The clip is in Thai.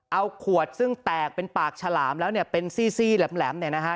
เอาขวดซึ่งแตกเป็นปากฉลามแล้วเนี่ยเป็นซี่แหลมเนี่ยนะฮะ